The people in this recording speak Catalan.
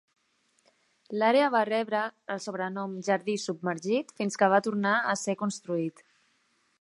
L'àrea va rebre el sobrenom "Jardí submergit" fins que va tornar a ser construït.